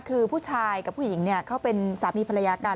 คือผู้ชายกับผู้หญิงเขาเป็นสามีภรรยากัน